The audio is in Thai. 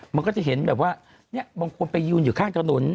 มันก็จะเห็นแบบว่าเนี่ยบางคนไปยืนอยู่ข้างถนน